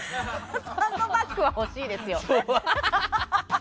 サンドバッグは欲しいですよ。